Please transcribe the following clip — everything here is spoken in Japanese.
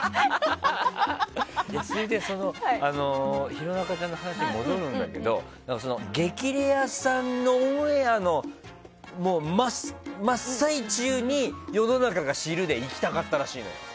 弘中ちゃんの話に戻るんだけど「激レアさん」のオンエアの真っ最中に世の中が知るでいきたかったらしいのよ。